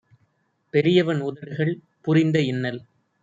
பெரியவன் உதடுகள் புரிந்த இன்னல்